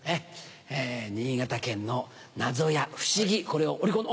新潟県の謎や不思議これを織り込んで。